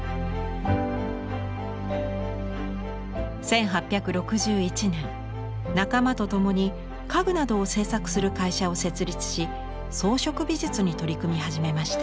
１８６１年仲間と共に家具などを製作する会社を設立し装飾美術に取り組み始めました。